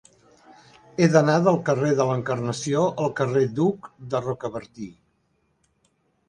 He d'anar del carrer de l'Encarnació al carrer d'Hug de Rocabertí.